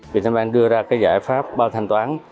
viettelbank đưa ra giải pháp bao thanh toán